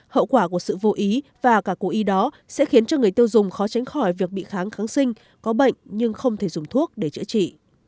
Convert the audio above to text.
hậu quả của sự vô ý và cả cổ y đó sẽ khiến cho người tiêu dùng khó tránh khỏi việc bị kháng kháng sinh có bệnh nhưng không thể dùng thuốc để chữa trị